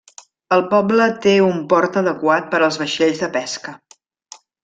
El poble té un port adequat per als vaixells de pesca.